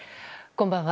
こんばんは。